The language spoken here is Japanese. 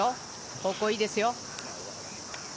方向いいですよ。